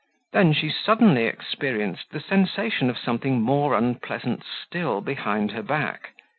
Then she suddenly experienced the sensation of something more unpleasant still behind her back.